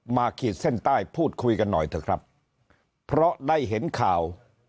ขีดเส้นใต้พูดคุยกันหน่อยเถอะครับเพราะได้เห็นข่าว